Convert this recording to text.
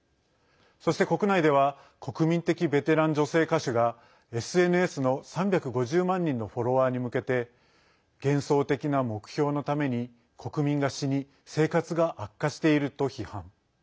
そして国内では国民的ベテラン女性歌手がＳＮＳの３５０万人のフォロワーに向けて幻想的な目標のために国民が死に生活が悪化していると批判。